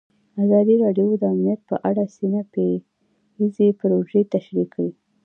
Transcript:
ازادي راډیو د امنیت په اړه سیمه ییزې پروژې تشریح کړې.